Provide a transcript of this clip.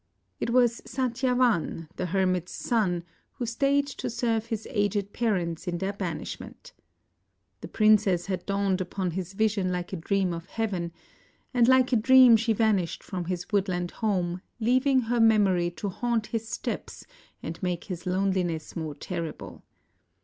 It was Satyavan, the her mit's son, who stayed to serve his aged parents in their banishment. The princess had dawned upon his vision like a dream of heaven, and like a dream she vanished from his woodland home, leaving her memory to haunt his steps and make his loneliness more terrible.